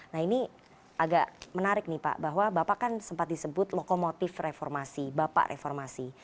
nah ini agak menarik nih pak bahwa bapak kan sempat disebut lokomotif reformasi bapak reformasi